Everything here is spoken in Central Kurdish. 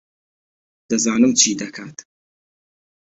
دەزانم چی دەکا